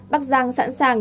bắc giang sẵn sàng